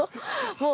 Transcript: もう。